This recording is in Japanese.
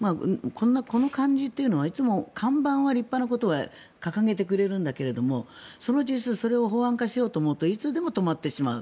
この感じというのはいつも看板は立派なことを掲げてくれるんだけどそれを法案化しようと思うといつでも止まってしまう。